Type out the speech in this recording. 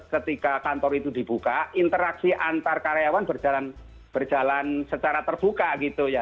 ketika kantor itu dibuka interaksi antar karyawan berjalan secara terbuka gitu ya